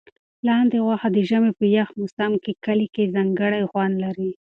لاندي غوښه د ژمي په یخ موسم کې کلي کې ځانګړی خوند لري.